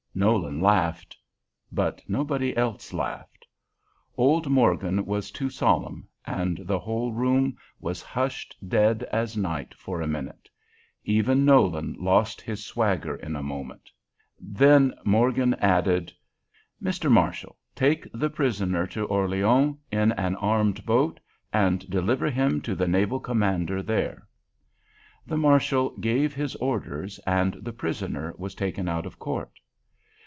Nolan laughed. But nobody else laughed. Old Morgan was too solemn, and the whole room was hushed dead as night for a minute. Even Nolan lost his swagger in a moment. Then Morgan added, "Mr. Marshal, take the prisoner to Orleans in an armed boat, and deliver him to the naval commander there." The marshal gave his orders and the prisoner was taken out of court.